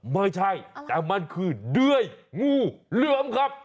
ไม่ใช่แต่มันคือเด้ยงูเหลือมครับ